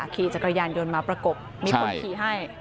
ขี่จักรยานยนต์มาประกบมีคนขี่ให้